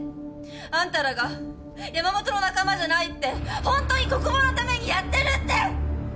あんたらが山本の仲間じゃないってほんとに国防のためにやってるって！